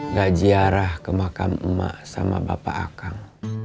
nggak jiarah ke makam emak sama bapak akang